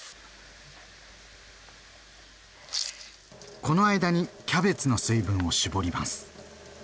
この間にキャベツの水分を絞ります。